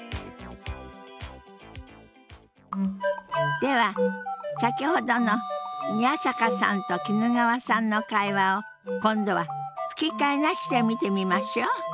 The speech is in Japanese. では先ほどの宮坂さんと衣川さんの会話を今度は吹き替えなしで見てみましょう。